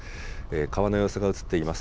川の様子が映っています。